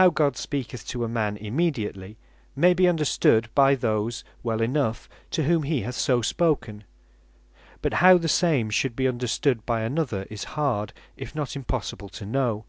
How God speaketh to a man immediately, may be understood by those well enough, to whom he hath so spoken; but how the same should be understood by another, is hard, if not impossible to know.